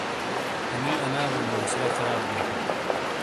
انی آنا بو معاشرہ خراب بِیوں۔